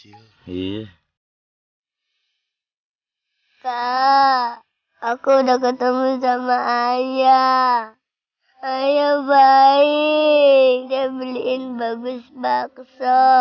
hai aku udah ketemu sama ayah ayo baik dan beliin bagus bagus